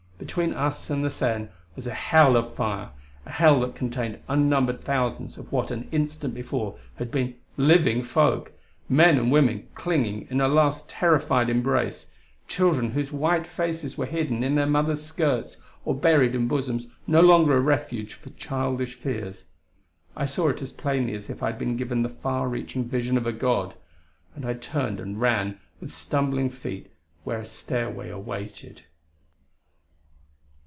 Between us and the Seine was a hell of fire a hell that contained unnumbered thousands of what an instant before had been living folk men and women clinging in a last terrified embrace children whose white faces were hidden in their mothers' skirts or buried in bosoms no longer a refuge for childish fears. I saw it as plainly as if I had been given the far reaching vision of a god ... and I turned and ran with stumbling feet where a stairway awaited....